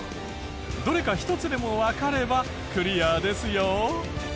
どれか１つでもわかればクリアですよ。